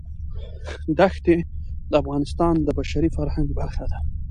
ښتې د افغانستان د بشري فرهنګ برخه ده.